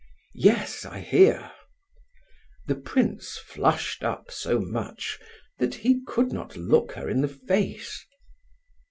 "Yes, I hear." The prince flushed up so much that he could not look her in the face.